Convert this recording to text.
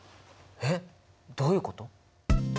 えっどういうこと？